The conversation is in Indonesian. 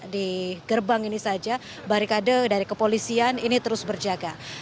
di gerbang ini saja barikade dari kepolisian ini terus berjaga